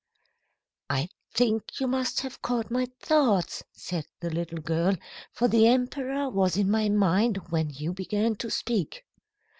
"I think you must have caught my thoughts," said the little girl, "for the emperor was in my mind when you began to speak."